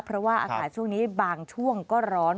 เพราะว่าอากาศช่วงนี้บางช่วงก็ร้อน